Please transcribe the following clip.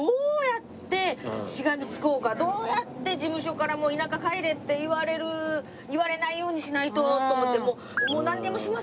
どうやって事務所から田舎帰れって言われる言われないようにしないとと思ってもう「なんでもします！